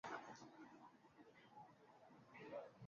Mapigo ya haraka ya moyo